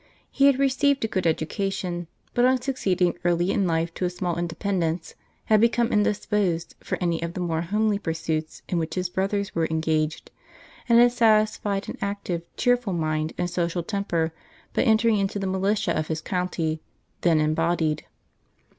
He had received a good education, but, on succeeding early in life to a small independence, had become indisposed for any of the more homely pursuits in which his brothers were engaged, and had satisfied an active, cheerful mind and social temper by entering into the militia of his county, then embodied.